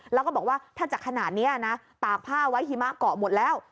แล้วก็บอกว่าถ้าจะขนาดนี้นะตากผ้าไว้หิมะเกาะหมดแล้ว